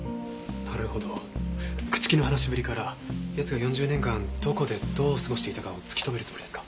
なるほど朽木の話しぶりから奴が４０年間どこでどう過ごしていたかを突き止めるつもりですか？